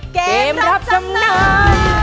เกมรับจำนำ